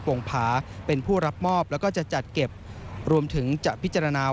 วงผาเป็นผู้รับมอบแล้วก็จะจัดเก็บรวมถึงจะพิจารณา